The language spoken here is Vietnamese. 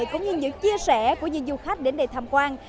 cũng như những chia sẻ của những du khách đến đây tham quan